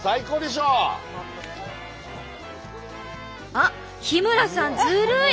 あっ日村さんずるい！